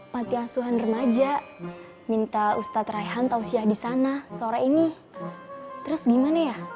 pantai asuhan remaja minta ustadz rehan tausiah disana sore ini terus gimana ya